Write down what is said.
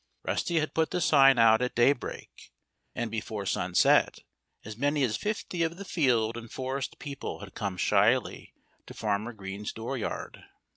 Rusty had put the sign out at daybreak. And before sunset as many as fifty of the field and forest people had come shyly to Farmer Green's dooryard.